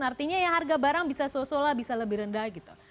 artinya ya harga barang bisa so sola bisa lebih rendah gitu